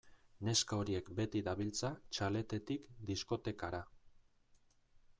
Neska horiek beti dabiltza txaletetik diskotekara.